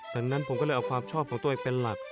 ดังนั้นผมก็เลยเอาความชอบของตัวเองเป็นหลัก